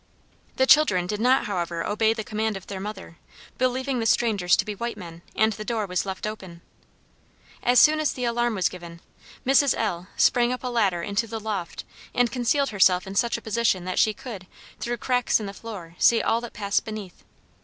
The children did not, however, obey the command of their mother, believing the strangers to be white men, and the door was left open. As soon as the alarm was given, Mrs. L sprang up a ladder into the loft, and concealed herself in such a position that she could, through cracks in the floor, see all that passed beneath.